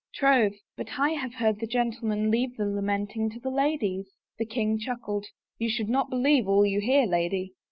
" "Troth, but I have heard the gentlemen leave the lamenting to the ladies I " The king chuckled. " You should not believe all you hear, lady."